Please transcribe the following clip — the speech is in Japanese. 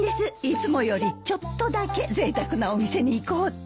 いつもよりちょっとだけぜいたくなお店に行こうって。